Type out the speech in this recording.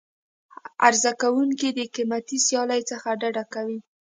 عرضه کوونکي د قیمتي سیالۍ څخه ډډه کوي.